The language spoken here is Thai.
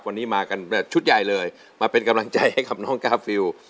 วันนี้มากันแบบชุดใหญ่เลยมาเป็นกำลังใจให้กับน้องกาฟิล